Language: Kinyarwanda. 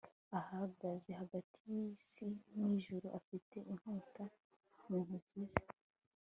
ahagaze hagati y isi n ijuru afite inkota mu ntoki ze